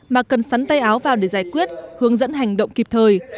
mà cần sắn tay áo vào để giải quyết hướng dẫn hành động kịp thời